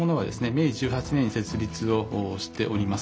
明治１８年に設立をしております。